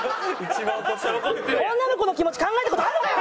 女の子の気持ち考えた事あるのかよ！